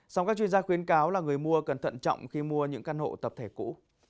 song các chuyên gia khuyến cáo là người mua cần thận trọng khi mua những căn hộ tập thể cũ